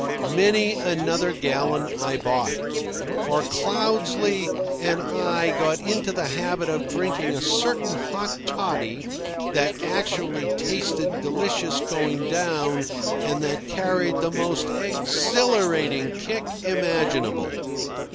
Many another gallon I bought, for Cloudesley and I got into the habit of drinking a certain hot toddy that actually tasted delicious going down and that carried the most exhilarating kick imaginable.